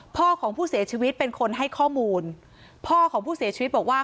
พ่อของผู้เสียชีวิตเป็นคนให้ข้อมูลพ่อของผู้เสียชีวิตบอกว่า